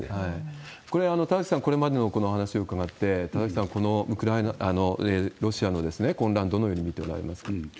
これは田崎さん、これまでの話を伺って、ロシアの混乱、どのように見ておられますか？